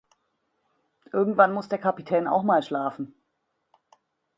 Irgendwann muss der Kapitän auch mal schlafen.